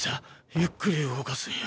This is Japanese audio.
ゆっくり動かすんや。